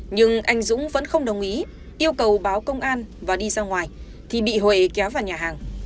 nhưng anh dũng vẫn không đồng ý yêu cầu báo công an và đi ra ngoài thì bị huệ kéo vào nhà hàng